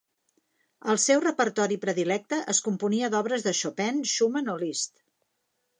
El seu repertori predilecte es componia d'obres de Chopin, Schumann o Liszt.